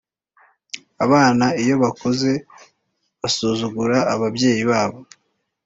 abana iyo bakuze basuzugura ababyeyi babo